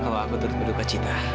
kalau aku turut berduka cita